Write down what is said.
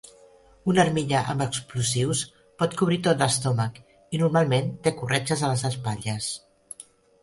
Una armilla amb explosius pot cobrir tot l'estómac i normalment té corretges a les espatlles.